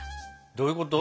どういうこと？